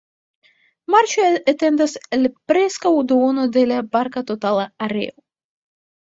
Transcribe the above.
Marĉoj etendas al preskaŭ duono de la parka totala areo.